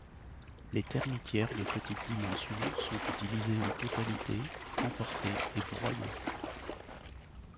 Les termitières de petites dimensions sont utilisées en totalité, emportées et broyées.